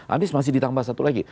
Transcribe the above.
anies masih ditambah satu lagi